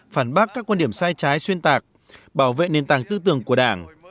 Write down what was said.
phản bác các quan điểm sai trái xuyên tạc bảo vệ nền tảng tư tưởng của đảng